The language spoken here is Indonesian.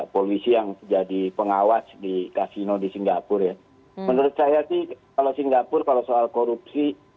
polisi yang jadi pengawas di kasino di singapura ya menurut saya sih kalau singapura kalau soal korupsi